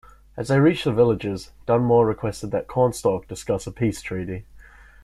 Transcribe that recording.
As they reached the villages, Dunmore requested that Cornstalk discuss a peace treaty.